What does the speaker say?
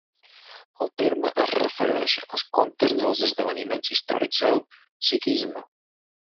El terme es refereix als comptes dels esdeveniments històrics al sikhisme.